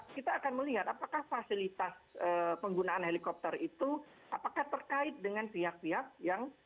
kita akan melihat apakah fasilitas penggunaan helikopter itu apakah terkait dengan pihak pihak yang